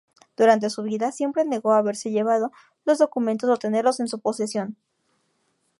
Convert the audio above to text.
Durante su vida siempre negó haberse llevado los documentos o tenerlos en su posesión.